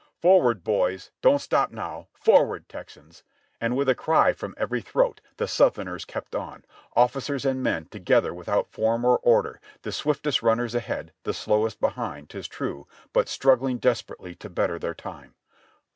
"Forward, boys ! Don't stop now ! Forward, Texans !" and with a cry from every throat the Southerners kept on, officers and men together without form or order, the swiftest runners ahead, the slowest behind, 'tis true, but struggling desperately to better their time.